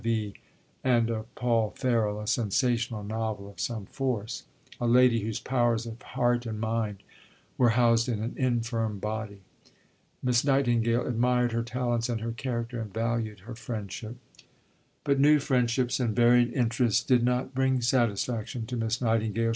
_ and of Paul Ferroll, a sensational novel of some force, a lady whose powers of heart and mind were housed in an infirm body. Miss Nightingale admired her talents and her character, and valued her friendship. But new friendships and varied interests did not bring satisfaction to Miss Nightingale.